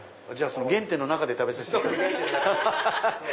原点の中で食べさせていただきます。